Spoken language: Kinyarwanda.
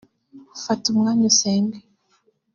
Fata umwanya usenge